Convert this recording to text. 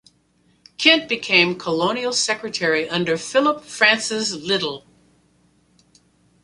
Kent became Colonial Secretary under Philip Francis Little.